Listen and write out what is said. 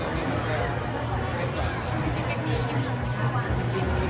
จะมาหลักนี่